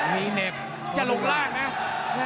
มีเหน็น